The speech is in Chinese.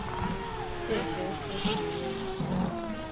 见贤思齐焉